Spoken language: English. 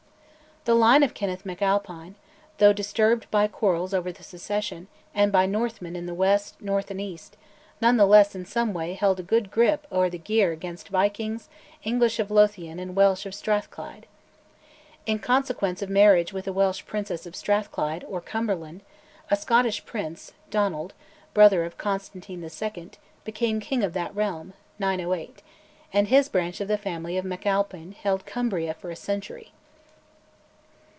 The line of Kenneth MacAlpine, though disturbed by quarrels over the succession, and by Northmen in the west, north, and east, none the less in some way "held a good grip o' the gear" against Vikings, English of Lothian, and Welsh of Strathclyde. In consequence of a marriage with a Welsh princess of Strathclyde, or Cumberland, a Scottish prince, Donald, brother of Constantine II., became king of that realm (908), and his branch of the family of MacAlpin held Cumbria for a century.